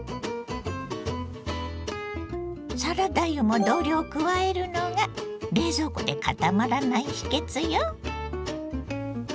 サラダ油も同量加えるのが冷蔵庫でかたまらない秘けつよ。